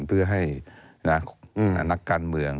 เพื่อให้นักการเมือง